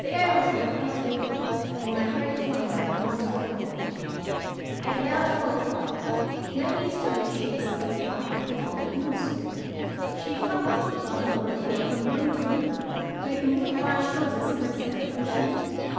The air was like hot vapor, and my hair clung to my moist forehead. At about four o'clock Maggie started chasing a fly with a folded newspaper. She followed it about the lower floor from room to room, making little harsh noises in her throat when she missed it.